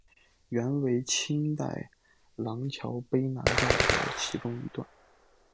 原为清代琅峤卑南道的其中一段。